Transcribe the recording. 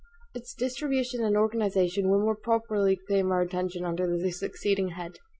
Its distribution and organization will more properly claim our attention under the succeeding head.